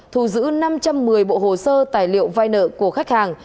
thù giữ năm trăm một mươi bộ hồ sơ tài liệu vay nợ của khách hàng